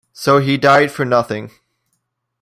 So he died for nothing.